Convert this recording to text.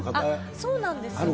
そうなんですね。